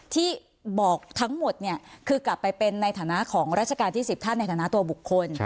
ที่บอกทั้งหมดเนี่ยคือกลับไปเป็นในฐานะของราชการที่๑๐ท่านในฐานะตัวบุคคล